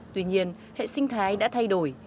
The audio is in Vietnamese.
tuy nhiên hệ sinh thái đã thay đổi